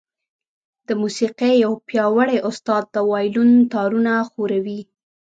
د موسيقۍ يو پياوړی استاد د وايلون تارونه ښوروي.